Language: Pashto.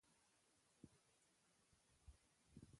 ښځې له دې څخه زیات